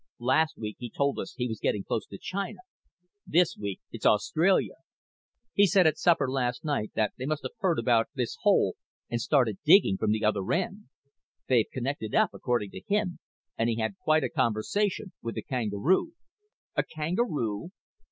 Last week he told us he was getting close to China. This week it's Australia. He said at supper last night that they must have heard about this hole and started digging from the other end. They've connected up, according to him, and he had quite a conversation with a kangaroo." "A kangaroo?"